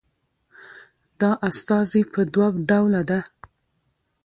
دا استازي په دوه ډوله ده